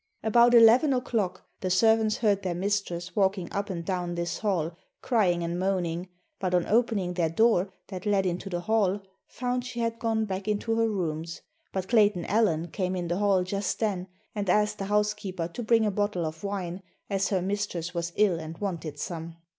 About 11 o'clock the servants heard their mistress walking up and down this hall, crying and moaning, but on opening their door that led into the hall found she had gone back into her rooms, but Clayton Allen came in the hall just then and asked the housekeeper to bring a bottle of wine, as her mistress was ill and wanted some.